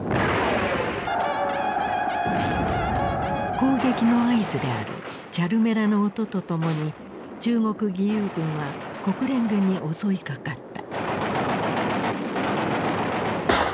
攻撃の合図であるチャルメラの音とともに中国義勇軍は国連軍に襲いかかった。